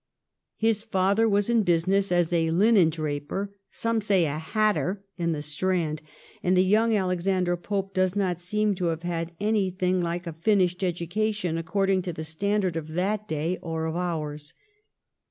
His father was in business as a Unen draper, some say a hatter, in the Strand ; and the young Alexander Pope does not seem to have had anything like a finished education according to the standard of that day or of ours.